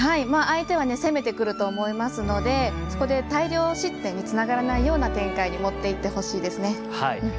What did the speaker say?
相手は攻めてくると思いますのでそこで大量失点につながらないような展開に持っていってほしいですね。